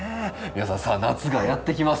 皆さんさあ夏がやって来ます。